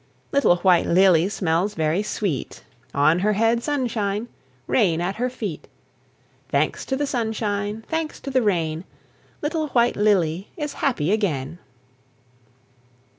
Little White Lily Smells very sweet; On her head sunshine, Rain at her feet. Thanks to the sunshine, Thanks to the rain, Little White Lily Is happy again.